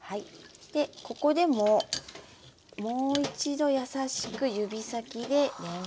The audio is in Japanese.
ここでももう一度優しく指先でれんこんを。